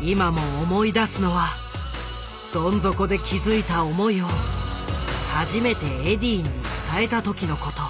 今も思い出すのはどん底で気付いた思いを初めてエディーに伝えた時のこと。